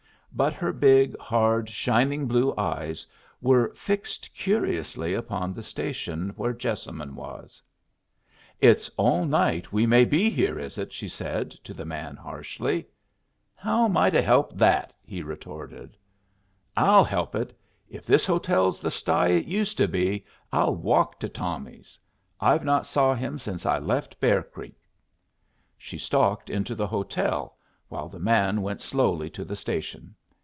But her big, hard shining blue eyes were fixed curiously upon the station where Jessamine was. "It's all night we may be here, is it?" she said to the man, harshly. "How am I to help that?" he retorted. "I'll help it. If this hotel's the sty it used to be, I'll walk to Tommy's. I've not saw him since I left Bear Creek." She stalked into the hotel, while the man went slowly to the station.